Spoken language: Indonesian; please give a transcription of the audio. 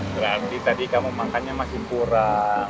berarti tadi kamu makannya masih kurang